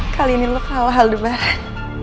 kali ini lo kalah aldebaran